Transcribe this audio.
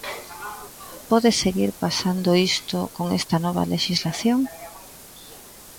¿Pode seguir pasando isto con esta nova lexislación?